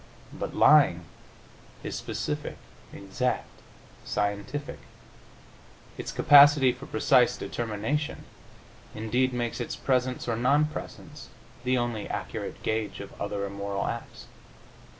But lying is specific, exact, scientific. Its capacity for precise determination, indeed, makes its presence or non presence the only accurate gauge of other immoral acts.